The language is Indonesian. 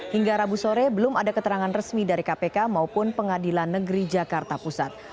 hingga rabu sore belum ada keterangan resmi dari kpk maupun pengadilan negeri jakarta pusat